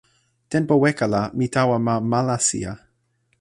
tenpo weka la mi tawa ma Malasija.